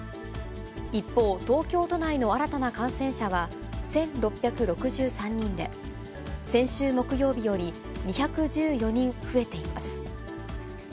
一方、東京都内の新たな感染者は１６６３人で、先週木曜日より２１４人増えています。